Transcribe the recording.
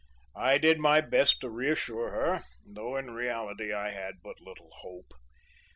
I did my best to reassure her, though in reality I had but little hope.